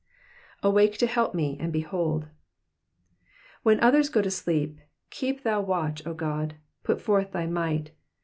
^^AwaJce to help me, and hehold.^^ When others go to sleep, keep thou watch, O God. Put forth thy might.